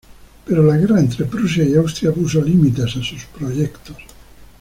Pero la guerra entre Prusia y Austria puso límites a sus proyectos.